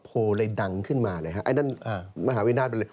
เป็นหนึ่งข่าวของการที่การดาร์พอล์ให้ดังขึ้นมาเลยค่ะ